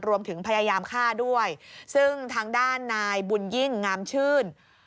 รวมถึงพยายามฆ่าด้วยซึ่งทางด้านนายบุญยิ่งงามชื่น